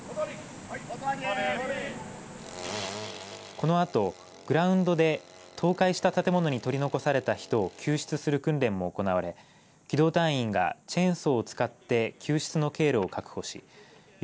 このあとグラウンドで倒壊した建物に取り残された人を救出する訓練も行われ機動隊員がチェーンソーを使って救出の経路を確保し要